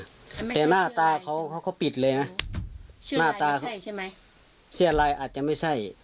แต่หน้าตาเขาเขาเขาปิดเลยน่ะหน้าตาเขาเสี้ยลายอาจจะไม่ใช่